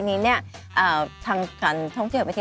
ก็จะเชิญชวนน้ำชมทางบ้านที่